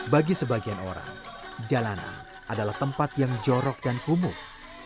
bagi sebagian orang jalanan adalah tempat yang jorok dan kumuh